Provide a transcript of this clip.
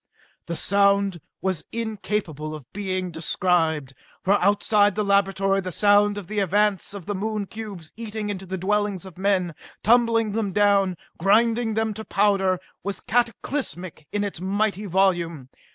The sound was incapable of being described, for outside the laboratory the sound of the advance of the Moon cubes eating into the dwellings of men, tumbling them down, grinding them to powder, was cataclysmic in its mighty volume.